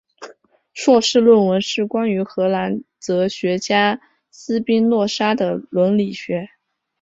硕士论文是关于荷兰哲学家斯宾诺莎的伦理学。